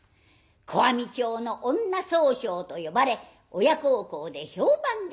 小網町の女宗匠と呼ばれ親孝行で評判でございます。